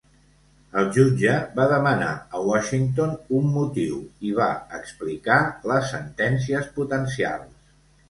El jutge va demanar a Washington un motiu, i va explicar les sentències potencials.